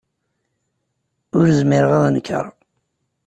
Ur zmireɣ ad d-nekreɣ.